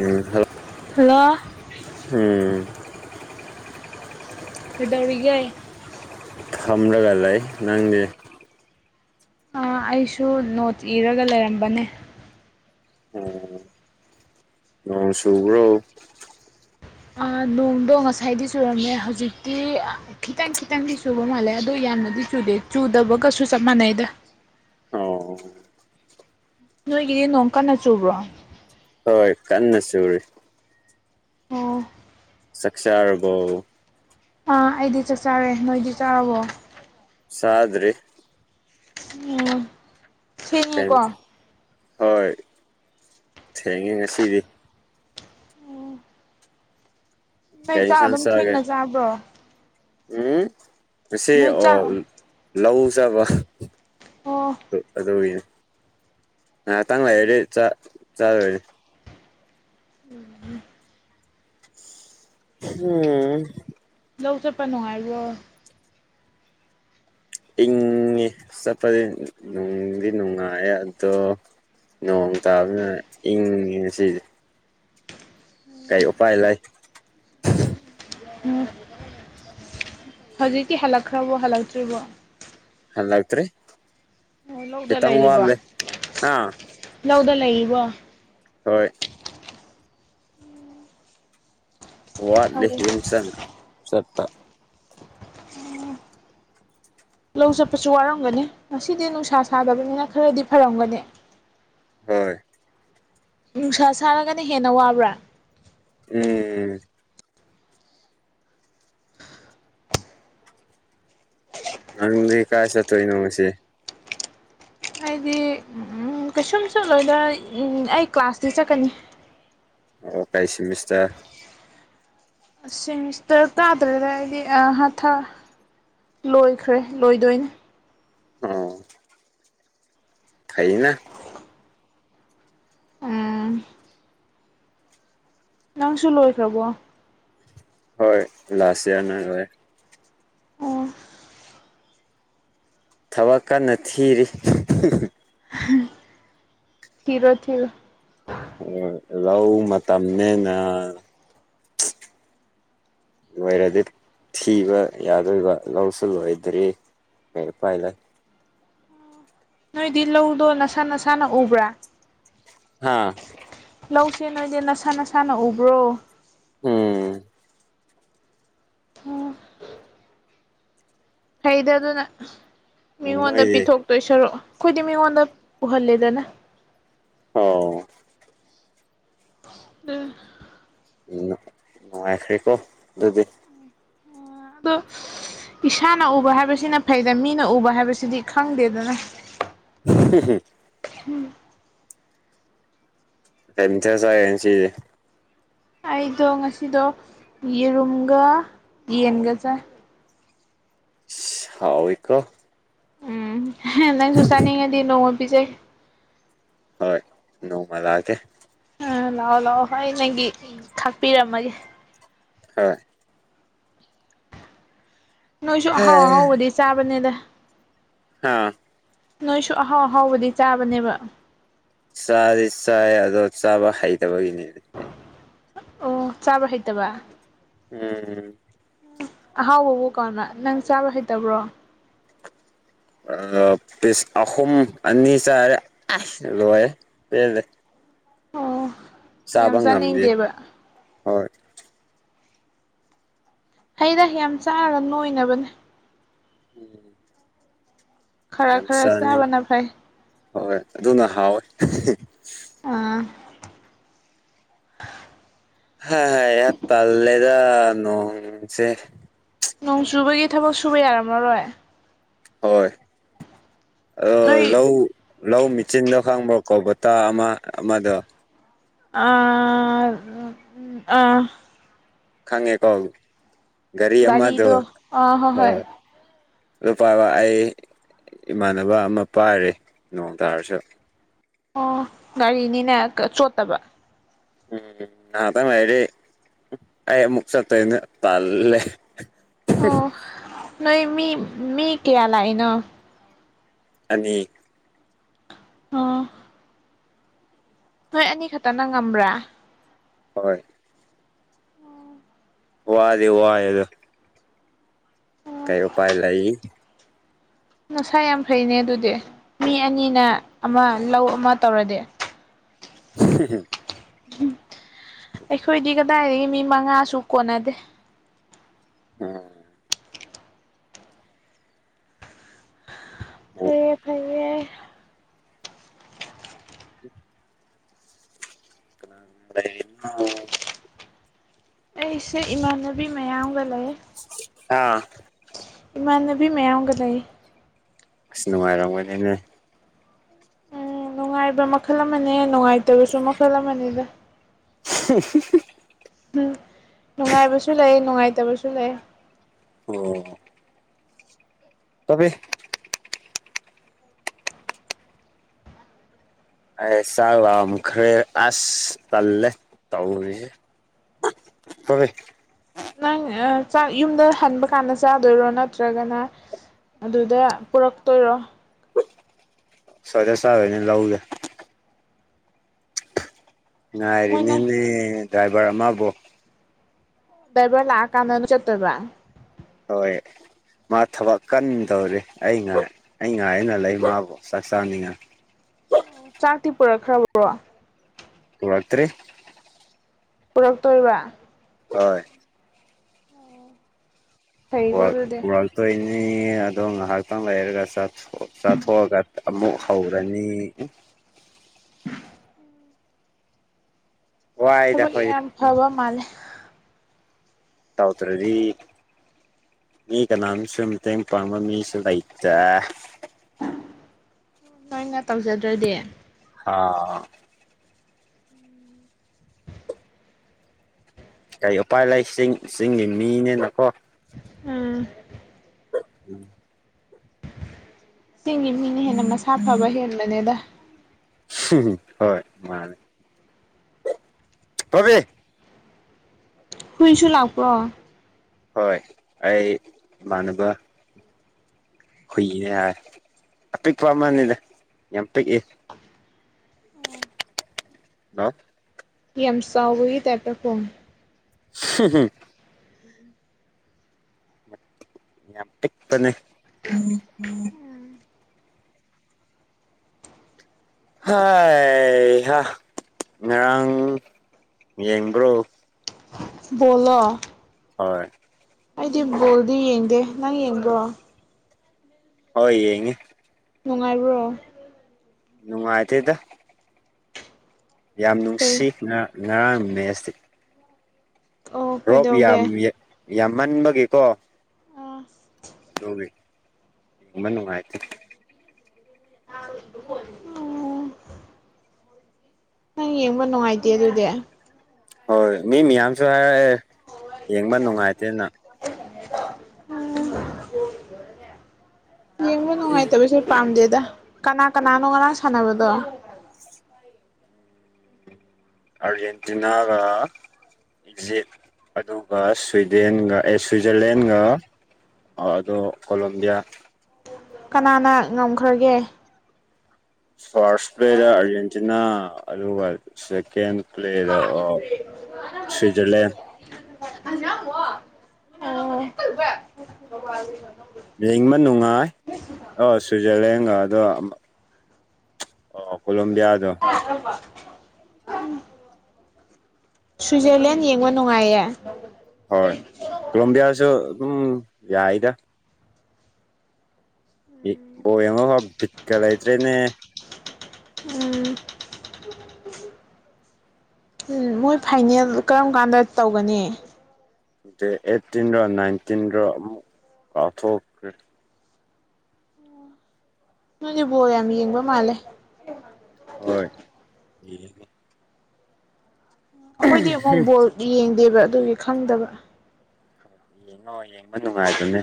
ꯎꯝ ꯍꯂ ꯂꯥꯛ ꯎꯝ ꯀꯗꯧꯔꯤꯒꯏ ꯊꯝꯂꯒ ꯂꯩ ꯅꯪꯗꯤ ꯑꯩꯁꯨ ꯅꯣꯠ ꯏꯔꯒ ꯂꯩꯔꯝꯕꯅꯦ ꯎꯝ ꯅꯣꯡ ꯁꯨꯕ꯭ꯔꯣ ꯅꯣꯡꯗꯣ ꯉꯁꯥꯏꯗꯤ ꯆꯨꯔꯝꯃꯦ ꯍꯧꯖꯤꯛꯇꯤ ꯈꯤꯇꯪ ꯈꯤꯇꯪꯗꯤ ꯆꯨꯕ ꯃꯥꯜꯂꯦ ꯑꯗꯣ ꯌꯥꯝꯅꯗꯤ ꯆꯨꯗꯦ ꯆꯨꯗꯕꯒꯁꯨ ꯆꯞ ꯃꯥꯟꯅꯩꯗ ꯑꯣ ꯅꯣꯏꯒꯤꯗꯤ ꯅꯣꯡ ꯀꯟꯅ ꯆꯨꯕ꯭ꯔꯣ ꯍꯣꯏ ꯀꯟꯅ ꯆꯨꯔꯤ ꯑꯣ ꯁꯛꯁꯥꯔꯔꯕꯣ ꯑꯥ ꯑꯩꯗꯤ ꯆꯥꯛ ꯆꯔꯦ ꯅꯣꯏꯗꯤ ꯆꯥꯔꯕꯣ ꯁꯥꯗ꯭ꯔꯤ ꯎꯝ ꯊꯦꯡꯉꯦꯀꯣ ꯊ ꯍꯣꯏ ꯊꯦꯡꯉꯦ ꯉꯁꯤꯗꯤ ꯅꯣꯏ ꯀꯩ ꯆꯥꯛ ꯏꯟꯁꯥꯡ ꯑꯗꯨꯝ ꯆꯥꯒꯦ ꯊꯦꯡꯅ ꯆꯥꯕ꯭ꯔꯣ ꯎꯝ ꯑꯁꯤ ꯅꯣꯏ ꯆꯥꯛ ꯂꯧꯖꯕ ꯑꯣ ꯑꯗꯨꯅꯦ ꯉꯥꯏꯍꯥꯛꯇꯥꯡ ꯂꯥꯏꯔꯗꯤ ꯆꯥꯗꯣꯏꯅꯦ ꯎꯝ ꯎꯝ ꯂꯧ ꯆꯠꯄꯅꯣ ꯍꯥꯏꯕ꯭ꯔꯣ ꯏꯪꯉꯦ ꯆꯠꯄꯗꯤ ꯅꯨꯡꯗꯤ ꯅꯨꯡꯉꯥꯏꯌꯦ ꯑꯗꯣ ꯅꯣꯡ ꯇꯥꯕꯅ ꯏꯪꯉꯤꯁꯤ ꯀꯥꯏ ꯎꯄꯥꯏ ꯂꯩ ꯎꯝ ꯍꯧꯖꯤꯛꯀꯤ ꯍꯂꯛꯈ꯭ꯔꯕ ꯍꯂꯛꯇ꯭ꯔꯤꯕ ꯍꯜꯂꯥꯛꯇꯔꯤ ꯑꯣ ꯂꯧꯗ ꯀꯈꯤꯇꯪꯕꯦ ꯂꯩꯔꯤꯕꯣ ꯍꯥꯥ ꯂꯧꯗ ꯂꯩꯕꯣ ꯍꯣꯏ ꯋꯥꯠꯂꯤ ꯑꯧ ꯍꯝꯁꯪ ꯁꯄ ꯂꯧ ꯆꯠꯄꯁꯨ ꯋꯥꯔꯝꯒꯅꯤ ꯉꯁꯤꯗꯤ ꯅꯨꯡꯁꯥ ꯁꯥꯗꯕꯅꯤꯅ ꯈꯔꯗꯤ ꯐꯔꯝꯒꯅꯤ ꯍꯣꯏ ꯅꯨꯡꯁꯥ ꯁꯥꯔꯒꯅ ꯍꯦꯟꯅ ꯋꯥꯕ꯭ꯔꯥ ꯎꯝ ꯅꯪꯗꯤ ꯀꯥꯁ ꯇꯅ ꯃꯅꯨꯡꯁꯤ ꯑꯩꯗꯤ ꯀꯩꯁꯨꯝꯁꯨꯠꯂꯣꯏꯗ꯭ꯔ ꯑꯩ ꯀ꯭ꯂꯥꯁꯇꯤ ꯆꯠꯀꯅꯤ ꯑꯣ ꯀꯩꯁꯤꯃꯤꯁꯇ ꯁꯦꯃꯤꯁꯇꯔ ꯇꯥꯗ꯭ꯔꯦꯗ ꯑꯩꯗꯤ ꯍꯥꯊ ꯂꯣꯏꯈ꯭ꯔꯦ ꯂꯣꯏꯗꯣꯏꯅꯤ ꯑꯣꯝ ꯊꯩꯅ ꯑ ꯅꯪꯁꯨ ꯂꯣꯏꯈ꯭ꯔꯕꯣ ꯍꯣꯏ ꯂꯥꯁ ꯏꯌꯥꯔꯅ ꯂꯦ ꯑꯣ ꯊꯕꯛ ꯀꯟꯅ ꯊꯤꯔꯤ ꯊꯤꯔꯣ ꯊꯤꯔ ꯑꯣ ꯂꯥꯎ ꯃꯝꯃꯦꯦꯅ ꯂꯣꯏꯔꯗꯤ ꯊꯤꯕ ꯌꯥꯗꯣꯏꯕ ꯂꯧꯁꯨ ꯂꯣꯏꯗ꯭ꯔꯤ ꯃꯣꯏ ꯎꯄꯥꯏ ꯂꯩ ꯅꯣꯏꯗꯤ ꯂꯧꯗꯣ ꯅꯁꯥ ꯅꯁꯥꯅ ꯎꯕ꯭ꯔꯥ ꯍꯥꯥ ꯂꯧꯁꯦ ꯅꯣꯏꯗꯤ ꯅꯁꯥ ꯅꯁꯥꯅ ꯎꯕ꯭ꯔꯣ ꯎꯝ ꯑꯣꯝ ꯍꯩꯗ ꯑꯗꯨꯅ ꯃꯤꯉꯣꯟꯗ ꯅꯣꯏꯗꯤ ꯄꯤꯊꯣꯛꯇꯣꯏ ꯁꯔꯨ ꯑꯩꯈꯣꯏꯗꯤ ꯃꯤꯉꯣꯟꯗ ꯎꯍꯜꯂꯦꯗꯅ ꯑꯣ ꯎꯝ ꯎ ꯅꯨꯡꯉꯥꯏꯈ꯭꯭ꯔꯦꯀꯣ ꯑꯗꯨꯗꯤ ꯏꯁꯥꯅ ꯎꯕ ꯍꯥꯏꯕꯁꯤꯅ ꯐꯩꯗ ꯃꯤꯅ ꯎꯕ ꯍꯥꯏꯕꯁꯤꯗꯤ ꯈꯪꯗꯦꯗꯅ ꯍ ꯎꯝ ꯝꯊꯔ ꯆꯒꯦ ꯁꯤꯗꯤ ꯑꯩꯗꯣ ꯉꯁꯤꯗꯣ ꯌꯦꯔꯨꯝꯒ ꯌꯦꯟꯒ ꯆꯥꯏ ꯁꯥꯎ ꯀ ꯅꯪ ꯁꯨꯁꯥꯅꯤꯡꯉꯗꯤ ꯅꯣꯡꯉ ꯄꯖꯦ ꯍꯣꯏ ꯅꯣꯡꯃ ꯂꯥꯛꯑꯒꯦ ꯎꯝ ꯂꯥꯛꯑꯣ ꯂꯥꯛꯑꯣ ꯑꯩꯏ ꯅꯪꯒꯤ ꯊꯥꯛꯄꯤꯔꯝꯃꯒꯦ ꯍꯣꯏ ꯅꯣꯏꯁꯨ ꯑꯍꯥꯎ ꯑꯍꯥꯎꯕꯗꯤ ꯆꯥꯕꯅꯤꯗ ꯍꯥꯥ ꯅꯣꯏꯁꯨ ꯑꯍꯥꯎ ꯑꯍꯥꯎꯕꯗꯤ ꯆꯥꯕꯅꯦꯕ ꯆꯥꯗꯤ ꯆꯥꯏ ꯑꯗꯣ ꯆꯥꯕ ꯍꯩꯇꯕꯒꯤꯅꯦ ꯑꯩꯅ ꯑꯣ ꯆꯥꯕ꯭ꯔ ꯍꯩꯇꯕ ꯎꯝ ꯑꯍꯥꯎꯕꯕꯨ ꯀꯅ ꯅꯪ ꯆꯥꯕ ꯍꯩꯇꯕ꯭ꯔꯣ ꯄꯤꯁ ꯑꯍꯨꯝ ꯑꯅꯤ ꯆꯥꯔꯦ ꯂꯣꯏꯦ ꯄꯦꯜꯂꯦ ꯑꯣ ꯌꯥꯝ ꯆꯥꯕ ꯉꯝꯗꯦ ꯆꯥꯅꯤꯡꯗꯦꯕ ꯍꯣꯏ ꯍꯩꯅ ꯌꯥꯝ ꯆꯥꯔꯒ ꯅꯣꯏꯅꯕꯅꯦ ꯎꯝ ꯈꯔ ꯌꯥꯝ ꯈꯔ ꯆꯥꯅ ꯆꯥꯕꯅ ꯐꯩ ꯍꯣꯏ ꯍꯣꯏ ꯑꯗꯨꯅ ꯍꯥꯎꯋꯦ ꯑꯥ ꯍ ꯍ ꯌꯥ ꯇꯥꯂꯦꯗ ꯅꯣꯡꯁꯦ ꯅꯣꯡ ꯆꯨꯕꯒꯤ ꯊꯕꯛ ꯁꯨꯕ ꯌꯥꯔꯝꯃꯂꯔꯣꯏ ꯍꯣꯏ ꯑ ꯅꯣꯏ ꯂꯧ ꯂꯧ ꯃꯦꯆꯤꯟꯗꯣ ꯈꯪꯕ꯭ꯔꯣ ꯀꯥꯕꯣꯇꯥ ꯑꯃ ꯑꯃꯗꯣ ꯑꯥ ꯑꯥ ꯑꯥ ꯈꯪꯉꯦꯀꯣ ꯒꯥꯔꯤ ꯑꯃꯗꯣ ꯒꯥꯔꯤꯗꯣ ꯑꯥ ꯍꯣꯏ ꯑ ꯍꯣꯏ ꯑꯗꯨ ꯄꯥꯏꯕ ꯑꯩ ꯏꯃꯥꯟꯅꯕ ꯑꯃ ꯄꯥꯏꯔꯦ ꯅꯣꯡ ꯇꯥꯔꯁꯨ ꯑꯣ ꯒꯥꯔꯤꯅꯤꯅꯦ ꯆꯣꯠꯇꯕ ꯎꯝ ꯉꯩꯍꯥꯛꯇꯪ ꯂꯩꯔꯥꯗꯤ ꯑꯩ ꯃꯨꯛ ꯆꯠꯇꯣꯏꯅꯦ ꯄꯟꯂꯦ ꯑꯣ ꯅꯣꯏ ꯃꯤ ꯃꯤ ꯀꯌꯥ ꯂꯏꯅ ꯑꯅꯤ ꯑꯣ ꯅꯣꯏ ꯑꯅꯤ ꯈꯛꯇꯅ ꯉꯝꯕ꯭ꯔꯥ ꯍꯣꯏ ꯋꯥꯗꯤ ꯋꯥꯌꯦ ꯑꯗꯨ ꯀꯩ ꯎꯄꯥꯏ ꯂꯩ ꯅꯁꯥ ꯌꯥꯝ ꯐꯩꯅꯦ ꯑꯗꯨꯗꯤ ꯃꯤ ꯑꯅꯤꯅ ꯑꯃ ꯂꯧ ꯑꯃ ꯇꯧꯔꯗꯤ [inaudible] [unintelligible] ꯑꯩꯈꯣꯏꯗꯤ ꯀꯗꯥꯏꯗꯒꯤ ꯃꯤ ꯃꯉꯥꯁꯨ ꯀꯣꯟꯅꯗꯦ ꯎꯝ ꯐꯩꯑꯦ ꯐꯩꯩꯑꯦ [unintelligible] ꯀꯥꯅꯒ ꯂꯩꯏꯔꯤꯅꯣ ꯑꯩꯁꯦ ꯏꯃꯥꯟꯅꯕꯤ ꯃꯌꯥꯝꯒ ꯂꯩ ꯍꯥ ꯏꯃꯥꯟꯅꯕꯤ ꯃꯌꯥꯝꯒ ꯂꯩ ꯑꯁ ꯅꯨꯡꯉꯥꯏꯔꯝꯒꯅꯤꯅꯦ ꯎꯝ ꯅꯨꯡꯉꯥꯏꯕ ꯃꯈꯜ ꯑꯃꯅꯦ ꯅꯨꯡꯉꯥꯏꯇꯕꯁꯨ ꯃꯈꯜ ꯑꯃꯅꯦꯗ [unintelligible] ꯎꯝ ꯅꯨꯡꯉꯥꯏꯕꯁꯨ ꯂꯩ ꯅꯨꯡꯉꯥꯏꯇꯕꯁꯨ ꯂꯩ ꯑꯣ ꯇꯕꯤ ꯑꯩ ꯆꯥꯛ ꯂꯝꯈ꯭ꯔꯦ ꯑꯁ ꯇꯜꯂꯦ ꯇꯧꯔꯤꯁꯦ [unintelligible] ꯅꯪ ꯑ ꯆꯥꯛ ꯌꯨꯝꯗ ꯍꯟꯕ ꯀꯥꯟꯗ ꯆꯥꯗꯣꯏꯔꯣ ꯅꯠꯇ꯭ꯔꯒꯅ ꯑꯗꯨꯗ ꯄꯨꯔꯛꯇꯣꯏꯔꯣ ꯁꯨꯏꯗ ꯆꯗꯣꯏꯅꯦ ꯂꯥꯎꯗ ꯃꯣꯏꯅ ꯉꯥꯏꯔꯤꯅꯤꯅꯦ ꯗ꯭ꯔꯥꯏꯚꯔ ꯑꯃꯕꯨ ꯗꯕ ꯂꯥꯛ ꯀꯥꯟꯗꯅ ꯆꯠꯇꯦꯕ ꯍꯣꯏ ꯃꯥ ꯊꯕꯛ ꯀꯟꯗꯧꯔꯤ ꯑꯩꯥ ꯉꯥꯏ ꯑꯩ ꯉꯥꯏꯅ ꯂꯩ ꯃꯥꯕꯨ ꯆꯥꯛ ꯆꯥꯅꯤꯡꯉꯥꯏ ꯆꯥꯛꯇꯤ ꯄꯨꯔꯛꯈ꯭ꯔꯕ꯭ꯔꯣ ꯄꯨꯔꯛꯇ꯭ꯔꯤ ꯄꯨꯔꯛꯇꯣꯏꯕ ꯍꯣꯏ ꯐꯩꯀꯣ ꯑꯗꯨꯗꯤ ꯋꯥꯔꯜ ꯇꯣꯏꯅꯤ ꯑꯗꯣ ꯉꯥꯏꯍꯥꯛꯇꯪ ꯂꯩꯔꯒ ꯆꯛ ꯆꯥꯊꯣꯛꯑꯒ ꯑꯃꯨꯛ ꯍꯧꯔꯅꯤ ꯋꯥꯏꯗ ꯊꯕꯛ ꯑꯩꯈꯣꯏ ꯌꯥꯝ ꯐꯕ ꯃꯥꯜꯂꯦ ꯇꯧꯗ꯭ꯔꯗꯤ ꯃꯤ ꯀꯅꯥꯝꯁꯨ ꯃꯇꯦꯡ ꯄꯥꯡꯕ ꯃꯤꯁꯨ ꯂꯩꯇꯦ ꯅꯣꯏꯅ ꯇꯧꯖꯗ꯭ꯔꯗꯤ ꯑ ꯀꯔꯤ ꯎꯄꯥꯏ ꯂꯩ ꯆꯤꯡ ꯆꯤꯡꯒꯤ ꯃꯤꯅꯤꯅꯀꯣ ꯑꯥ ꯎꯝ ꯆꯤꯡꯒꯤ ꯃꯤꯅ ꯍꯦꯟꯅ ꯃꯁꯥ ꯐꯕ ꯍꯦꯟꯕꯅꯦꯗ ꯍꯣꯏ ꯃꯥꯅꯦ ꯔꯕꯤ ꯍꯨꯏꯁꯨ ꯂꯥꯛꯄ꯭ꯔꯣ ꯍꯣꯏ ꯑꯩ ꯏꯃꯥꯟꯅꯕ ꯍꯨꯏꯌꯦ ꯍꯥꯏꯔꯦ ꯑꯄꯤꯛꯄ ꯑꯃꯅꯤꯗ ꯌꯥꯝ ꯄꯤꯛꯏ ꯅ ꯌꯁꯥꯎꯒꯨꯏ ꯇꯇ ꯐꯣꯟ ꯍ ꯌꯥꯝ ꯄꯤꯄꯅꯦ ꯍꯥꯏ ꯍꯥ ꯉꯔꯥꯡ ꯌꯦꯡꯕ꯭ꯔꯣ ꯕꯣꯜꯂꯣ ꯍꯣꯏ ꯑꯩꯗꯤ ꯕꯣꯜꯗꯤ ꯌꯦꯡꯗꯦ ꯅꯪ ꯌꯦꯡꯕ꯭ꯔꯣ ꯍ ꯌꯦ ꯅꯨꯡꯉꯥꯏꯔꯕ꯭ꯔꯣ ꯅꯨꯡꯉꯥꯏꯇꯣꯏꯗ ꯌꯥꯝ ꯀꯩ ꯅꯨꯡꯁꯤ ꯉꯔꯥꯡ ꯃꯦꯠꯁꯇꯤ ꯑꯣ ꯔꯣꯞ ꯀꯩꯗꯧꯒꯦ ꯌꯥꯝ ꯌꯥꯝ ꯃꯟꯕꯒꯤꯀꯣ ꯑꯥ ꯑꯗꯨꯒꯤ ꯌꯦꯡꯕ ꯅꯨꯡꯉꯥꯏꯇꯦ [inaudible] ꯅꯪ ꯌꯦꯡꯕ ꯅꯨꯡꯉꯥꯏꯇꯦ ꯑꯗꯨꯗꯤ ꯍꯣꯏ ꯃꯤ ꯃꯌꯥꯝꯁꯨ ꯍꯥꯏꯔꯛꯑꯦ ꯌꯦꯡꯕ ꯅꯨꯡꯉꯥꯏꯇꯦꯅ ꯌꯦꯕ ꯅꯨꯡꯉꯥꯏ ꯇꯁꯔ ꯄꯥꯝꯗꯦꯗ ꯀꯅꯥ ꯀꯅꯥꯅꯣ ꯉꯔꯥꯡ ꯁꯥꯟꯅꯕꯗꯣ ꯑꯔꯖꯦꯟꯇꯤꯅꯥꯒ ꯏꯖꯤꯞ ꯑꯗꯨꯒ ꯁ꯭ꯋꯤꯗꯦꯟꯒ ꯑꯦ ꯁ꯭ꯋꯤꯖꯔꯂꯦꯟꯒ ꯑꯗꯨꯗꯣ ꯀꯣꯂꯣꯕꯤꯌꯥ ꯀꯅꯥꯅ ꯉꯝꯈ꯭ꯔꯒꯦ ꯐꯥꯔꯁ ꯄ꯭ꯂꯦꯗ ꯑꯥꯔꯖꯦꯟꯇꯤꯅꯥ ꯑꯗꯨꯒ ꯁꯦꯀꯦꯟ ꯄ꯭ꯂꯗ ꯁꯤꯖꯔꯂꯦ [unintelligible] [inaudible] [inaudible] ꯌꯦꯡꯕ ꯅꯨꯡꯉꯥꯏ ꯑꯣ ꯁ꯭ꯋꯤꯖꯔꯂꯦꯟꯒ ꯑꯗꯣ ꯀꯣꯂꯣꯝꯕꯤꯌꯥꯗꯣ [unintelligible] ꯁ꯭ꯋꯤꯖꯔꯂꯦꯟ ꯌꯦꯡꯕ ꯅꯨꯡꯉꯥꯏꯌꯦ ꯍꯣꯏ ꯀꯣꯂꯣꯕꯤꯌꯥꯁꯨ ꯑꯗꯨꯝ ꯌꯥꯏꯗ ꯕꯣꯏ ꯑꯃꯐꯥꯎ ꯤꯛꯀ ꯂꯩꯇ꯭ꯔꯦꯅꯦ ꯎꯝ ꯎꯝ ꯃꯣꯏ ꯐꯥꯏꯅꯦꯜ ꯀꯔꯝ ꯀꯥꯟꯗ ꯇꯧꯒꯅꯤ ꯑ ꯑꯩꯠꯇꯤꯟꯗ ꯅꯥꯏꯟꯇꯤꯟꯗ ꯑꯃꯨꯛ ꯑꯊꯣꯛ ꯅꯣꯏꯅꯦꯕꯣ ꯌꯥꯝ ꯌꯦꯡꯕ ꯃꯥꯜꯂꯦ ꯍꯣꯏ ꯑꯩꯈꯣꯏꯗꯤ ꯑꯃꯨꯛ ꯕꯣꯜ ꯌꯦꯡꯗꯦꯕ ꯑꯗꯨꯒꯤ ꯈꯪꯗꯕ ꯌꯦꯡꯉꯣꯑꯣ ꯌꯦꯡꯕ ꯅꯨꯡꯉꯥꯏꯕꯅꯦ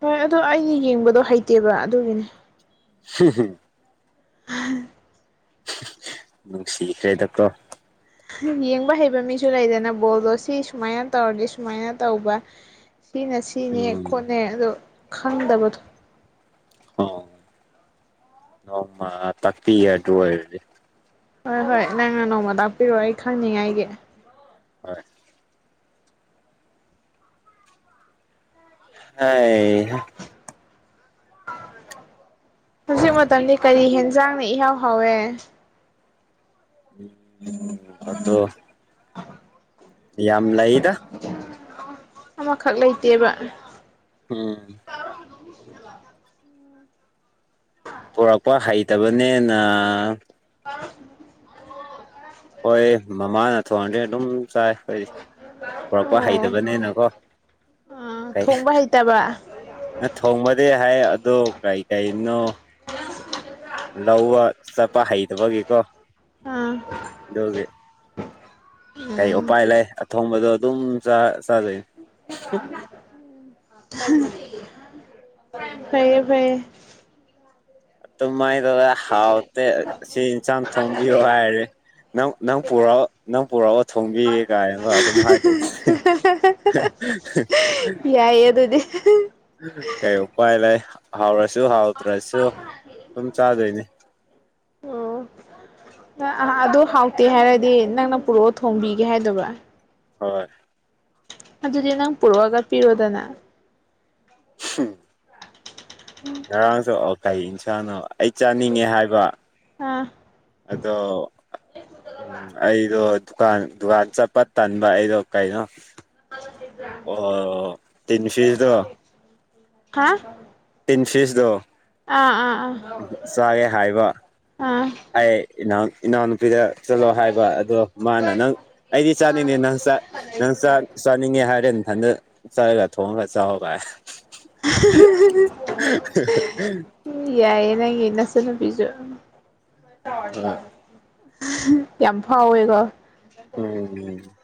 ꯍꯣꯏ ꯑꯗꯣ ꯑꯩꯒꯤ ꯌꯦꯡꯕꯗꯣ ꯍꯩꯇꯦꯕ ꯑꯗꯨꯒꯤꯅꯦ ꯍ ꯍꯨꯝ ꯅꯨꯡꯁꯤꯈ꯭ꯔꯦ ꯗꯥꯛꯇꯣ ꯌꯦꯡꯕ ꯍꯩꯕ ꯃꯤꯁꯨ ꯂꯩꯗꯅ ꯕꯣꯜꯗꯣ ꯁꯤ ꯁꯨꯃꯥꯏꯅ ꯇꯧꯔꯗꯤ ꯁꯨꯃꯥꯏꯅ ꯇꯧꯕ ꯁꯤꯅꯦ ꯁꯤꯅꯦ ꯎꯝ ꯈꯣꯠꯅꯦ ꯑꯗꯣ ꯈꯪꯗꯕꯗꯣ ꯑꯣ ꯅꯣꯡꯃ ꯇꯥꯛꯄꯤ ꯑꯗꯨ ꯑꯣꯏꯔꯗꯤ ꯍꯣꯏ ꯍꯣꯏ ꯅꯪꯅ ꯅꯣꯡꯃ ꯇꯥꯛꯄꯤꯔꯣ ꯑꯩ ꯈꯪꯅꯤꯡꯉꯥꯏꯒꯤ ꯍꯣꯏ ꯑꯦ ꯍꯧꯖꯤꯛ ꯃꯇꯝꯗꯤ ꯀꯔꯤ ꯌꯦꯦꯟꯖꯥꯡꯅ ꯏꯍꯥꯎ ꯍꯥꯎꯋꯦ ꯗꯣ [inaudible] ꯌꯥꯝ ꯂꯩꯗ ꯑꯃꯈꯛ ꯂꯩꯇꯦꯕ ꯎꯝ ꯄꯨꯣꯔꯛꯄ ꯍꯩꯇꯕꯅꯤꯅ [inaudible] ꯍꯣꯏ ꯃꯃꯥꯅ ꯊꯣꯟꯗꯤ ꯑꯗꯨꯝ ꯆꯥꯏ ꯑꯩꯈꯣꯏꯗꯤ ꯄꯨꯣꯔꯛꯄ ꯍꯩꯇꯕꯅꯤꯅꯀꯣ ꯑ ꯊꯣꯡꯕ ꯍꯩꯇꯕ ꯅ ꯊꯣꯡꯕꯗꯤ ꯍꯥꯏ ꯑꯗ ꯀꯩ ꯀꯅꯣ ꯂꯧꯋꯥ ꯆꯄ ꯍꯥꯏꯩꯗꯕꯒꯦꯀꯣ ꯑꯥ ꯗꯒꯦ ꯀꯩ ꯎꯄꯥꯏ ꯂꯩ ꯑꯊꯣꯡꯕꯗꯣ ꯑꯗꯨꯝ ꯆꯥꯖꯩ ꯐꯔꯌꯦꯦ ꯐꯔꯌꯦꯦ ꯑꯗꯨꯃꯥꯏꯅ ꯇꯧꯔ ꯍꯥꯎꯇꯦ ꯁꯤ ꯌꯦꯟꯁꯥꯡ ꯊꯣꯡꯝꯕꯤꯌꯣ ꯍꯥꯏꯔꯦ ꯅꯪ ꯅꯪ ꯄꯨꯔꯛꯑꯣ ꯅꯪ ꯄꯨꯔꯛꯑꯣ ꯊꯣꯡꯕꯤꯒꯦ ꯀꯥꯏꯅꯒ ꯑꯗꯨꯝ ꯍꯥꯏꯗꯤꯦ ꯑꯗꯨ [inaudible] ꯌꯥꯏꯌꯦ ꯑꯗꯨꯗꯤ ꯀꯩ ꯎꯄꯥꯏ ꯂꯩ ꯍꯥꯎꯔꯁꯨ ꯍꯥꯎꯗ꯭ꯔꯁꯨ ꯑꯗꯨꯝ ꯆꯥꯗꯣꯏꯅꯤ ꯑꯣ ꯑꯗꯨ ꯍꯥꯎꯇꯦ ꯍꯥꯏꯔꯗꯤ ꯅꯪꯅ ꯄꯨꯔꯛꯑꯣ ꯊꯣꯡꯕꯤꯒꯦ ꯍꯥꯏꯗꯕ꯭ꯔꯥ ꯍꯣꯏ ꯑꯗꯨꯗꯤ ꯅꯪ ꯄ ꯄꯨꯔꯋꯥꯒ ꯄꯤꯔꯗꯅ ꯍ ꯎꯝ ꯉꯔꯥꯡ ꯆ ꯀꯩ ꯏꯟꯁꯥꯅꯣ ꯑꯩ ꯆꯥꯅꯤꯡꯉꯦ ꯍꯥꯏꯕ ꯑꯥ ꯑꯗꯣ ꯎꯝ ꯑꯩꯗꯣ ꯗꯨꯀꯥꯟ ꯗꯨꯀꯥꯟ ꯆꯠꯄ ꯇꯟꯕ ꯑꯩꯗꯣ ꯀꯩꯅꯣ ꯑꯣ ꯇꯤꯟ ꯐꯤꯁꯇꯣ ꯍꯥ ꯇꯤꯟ ꯐꯤꯁꯇꯣ ꯑꯥ ꯑꯥ ꯑꯥ ꯆꯥꯒꯦ ꯍꯥꯏꯕ ꯑꯥ ꯑꯩ ꯏꯅꯥꯎ ꯏꯅꯥꯎꯅꯨꯄꯤꯗ ꯆꯠꯂꯣ ꯍꯥꯏꯕ ꯑꯗꯣ ꯃꯥꯅ ꯅꯪ ꯑꯩꯗꯤ ꯆꯥꯅꯤꯡꯉ ꯅꯪ ꯅꯪꯥꯛ ꯆꯠꯅꯤꯡꯉꯦ ꯍꯥꯏꯔꯦꯊꯟꯗꯛ ꯆꯠꯂꯒ ꯊꯣꯡꯉꯒ ꯆꯥꯎꯔꯒ [inaudible] ꯌꯥꯏꯦ ꯅꯪ ꯏꯟꯅꯁꯅ ꯄꯕꯤꯖꯨ ꯍꯣꯏ ꯌꯥꯝ ꯐꯥꯎꯋꯦꯀꯣ ꯎꯝ